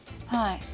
はい。